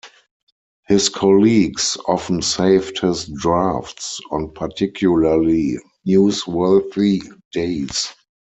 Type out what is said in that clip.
His colleagues often saved his drafts on particularly newsworthy days.